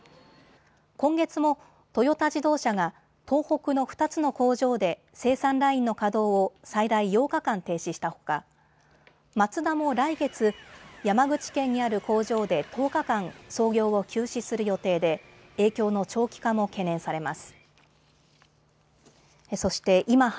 今月もトヨタ自動車が東北の２つの工場で生産ラインの稼働を最大８日間停止したほか、マツダも来月、山口県にある工場で１０日間、操業を休止する予定で影響の長期化も懸念されます。